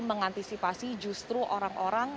mengantisipasi justru orang orang